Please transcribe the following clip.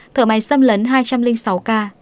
thở máy xâm lấn hai trăm linh sáu ca